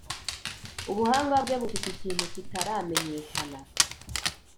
ubuhanga bwe bufite ikintu kitaramenyekana.